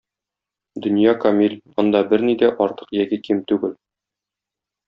Дөнья камил: анда берни дә артык яки ким түгел.